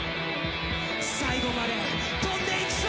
最後までとんでいくぞ！